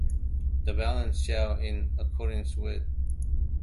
The balance shall, in accordance with.